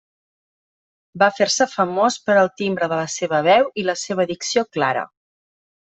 Va fer-se famós per al timbre de la seva veu i la seva dicció clara.